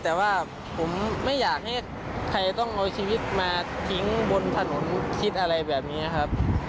แต่ว่าผมไม่อยากให้ใครต้องเอาชีวิตมาทิ้งบนถนนคิดอะไรแบบนี้ครับ